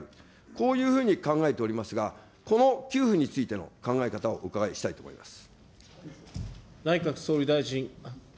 こういうふうに考えておりますが、この給付についての考え方をお伺いしたいと思います。